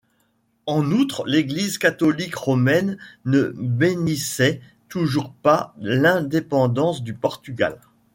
En outre, l'Église catholique romaine ne bénissait toujours pas l'indépendance du Portugal.